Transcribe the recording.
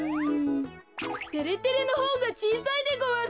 てれてれのほうがちいさいでごわす。